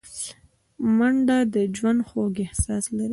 منډه د ژوند خوږ احساس لري